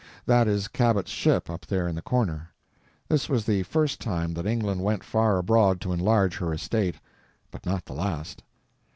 That is Cabot's ship up there in the corner. This was the first time that England went far abroad to enlarge her estate—but not the last.